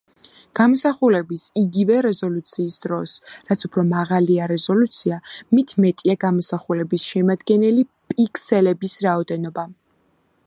გამოსახულების იგივე რეზოლუციის დროს, რაც უფრო მაღალია რეზოლუცია მით მეტია გამოსახულების შემადგენელი პიქსელების რაოდენობა.